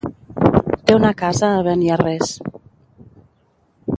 Té una casa a Beniarrés.